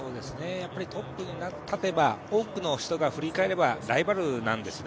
やっぱりトップになれば多くの人が振り返ればライバルなんですね。